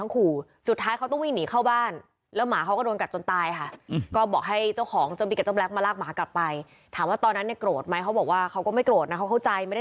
ก็เลยไปเจอใส่